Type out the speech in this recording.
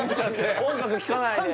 音楽聴かないで？